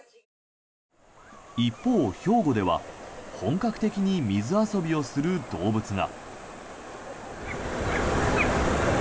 一方、兵庫では本格的に水遊びをする動物が。